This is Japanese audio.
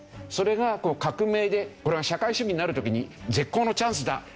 それが革命でこれが社会主義になる時に絶好のチャンスだ